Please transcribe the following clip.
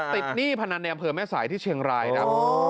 หนี้พนันในอำเภอแม่สายที่เชียงรายครับ